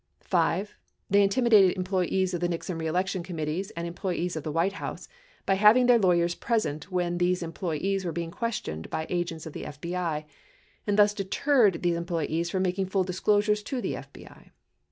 5. They intimidated employees of the Nixon reelection committees and employees of the White House by having their lawyers present when these employees were being questioned by agents of the FBI, and thus deterred these employees from making full disclosures to the FBI.